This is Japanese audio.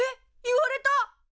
言われた！